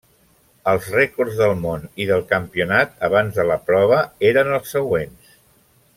Els rècords del món i del campionat abans de la prova eren els següents.